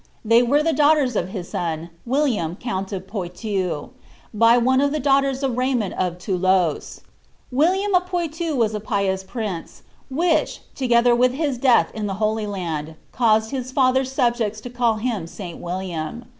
They were the daughters of his son, William count de Poiton, by one of the daughters of Raymond of Thoulouse.' William of Poitou was a pious prince ; which, together with his death in the Holy Land, caused his Other's subjects to call him Si William.